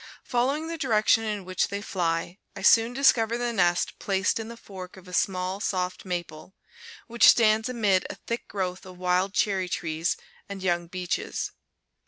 Following the direction in which they fly, I soon discover the nest placed in the fork of a small soft maple, which stands amid a thick growth of wild cherry trees and young beeches.